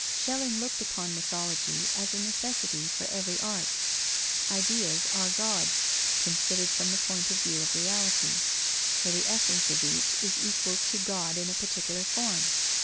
Schelling looked upon mythology as a necessity for every art. Ideas are Gods, considered from the point of view of reality; for the essence of each is equal to God in a particular form.